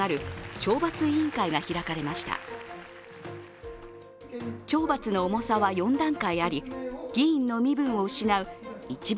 懲罰の重さは４段階あり議員の身分を失う一番